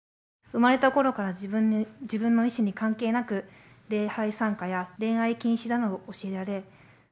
生まれたころから、自分の意思に関係なく、礼拝参加や恋愛禁止などを教えられ。